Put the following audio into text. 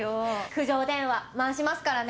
苦情電話回しますからね。